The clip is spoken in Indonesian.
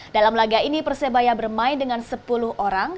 dalam laga ini persebaya bermain dengan sepuluh orang